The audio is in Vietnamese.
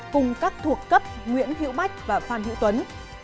cùng các thuộc cấp nguyễn hiệu bách và phan hiệu tuấn